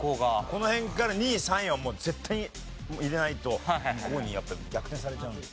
この辺から２位３位はもう絶対に入れないと向こうに逆転されちゃうんで。